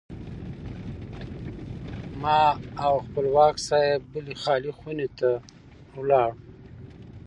ما او خپلواک صاحب بلې خالي خونې ته لاړو.